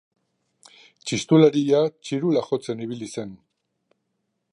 Txistularia txirula jotzen ibili zen.